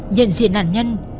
nhận diện nạn nhân